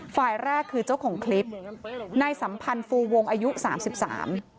ฝ่ายแรกคือเจ้าของคลิปนายสัมพันธ์ฟูวงอายุสามสิบสาม